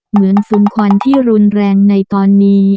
เหมือนฝุ่นควันที่รุนแรงในตอนนี้